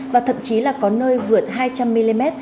và thậm chí là có nơi vượt hai trăm linh mm